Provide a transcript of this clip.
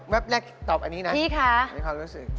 แว๊บแรกตอบอันนี้นะให้เขารู้สึกพี่คะ